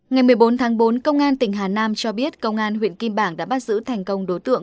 ngày một mươi bốn tháng bốn công an tỉnh hà nam cho biết công an huyện kim bảng đã bắt giữ thành công đối tượng